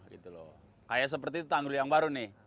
kayak seperti itu tanggul yang baru nih